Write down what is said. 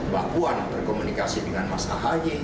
bapak buan berkomunikasi dengan mas ahayi